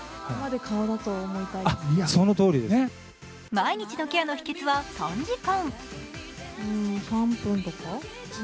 毎日のケアの秘けつは短時間。